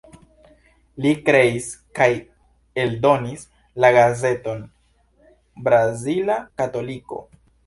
Li kreis kaj eldonis la gazeton Brazila Katoliko.